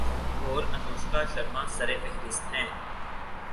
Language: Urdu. اور انوشکا شرما سرِ فہرست ہیں